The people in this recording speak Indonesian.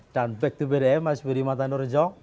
dan back to bdm mas widiman tanur jok